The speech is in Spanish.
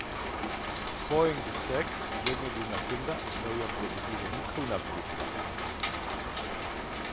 Jo Eng Sek, dueño de una tienda, no había producido nunca una película.